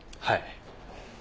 はい。